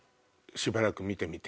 しばらく見てみて。